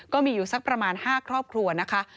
ก็มีอยู่สักประมาณ๕ครอบครัวนะคะ